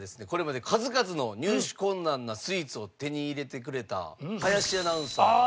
これまで数々の入手困難なスイーツを手に入れてくれた林アナウンサー。